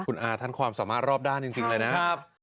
คุณอาท่านความสามารถรอบด้านจริงเลยนะครับ